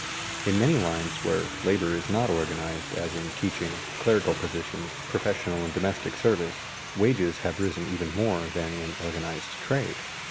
In many lines where labor is not organized, as in teaching, clerical positions, professional and domestic service, wages have risen even more than in organized trade.